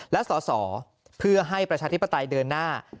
และสอสอเพื่อให้ประชาธิปไตยเดินหน้า